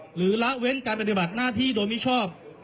ละเว้นการปฏิบัติหน้าที่โดยมิชอบ